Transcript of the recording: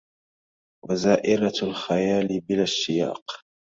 وزائرة الخيال بلا اشتياق